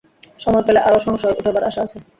সময় পেলে আরও সংশয় ওঠাবার আশা আছে।